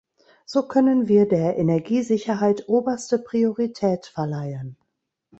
So können wir der Energiesicherheit oberste Priorität verleihen.